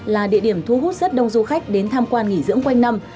là địa điểm thu hút rất đông du khách đến tham quan nghỉ dưỡng quanh năm